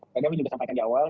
tadi aku juga sampai di awal